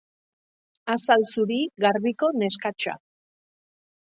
Azal zuri, garbiko neskatxa.